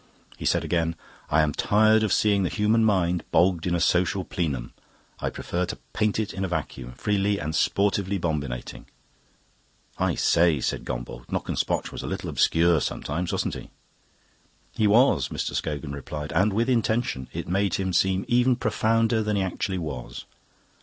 He said again, 'I am tired of seeing the human mind bogged in a social plenum; I prefer to paint it in a vacuum, freely and sportively bombinating.'" "I say," said Gombauld, "Knockespotch was a little obscure sometimes, wasn't he?" "He was," Mr. Scogan replied, "and with intention. It made him seem even profounder than he actually was.